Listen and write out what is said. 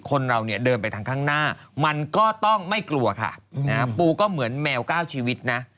คนเราเนี่ยเดินไปทางข้างหน้ามันก็ต้องไม่กลัวค่ะปูก็เหมือนแมว๙ชีวิตนะ